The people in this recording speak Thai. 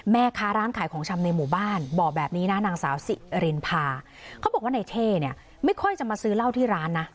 แม่ค้าร้านขายของชำในหมู่บ้านบอกแบบนี้นะนางสาวสิรินพาเขาบอกว่าในเท่เนี่ยไม่ค่อยจะมาซื้อเหล้าที่ร้านนะ